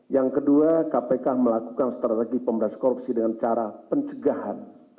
yang kedua kpk melakukan strategi pemberantasan korupsi dengan cara pencegahan